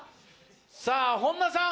さぁ本田さん。